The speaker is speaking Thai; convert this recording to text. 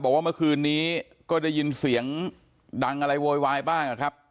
บอกว่าเมื่อคืนนี้ก็ได้ยินเสียงดังอะไรโวยวายบ้างนะครับ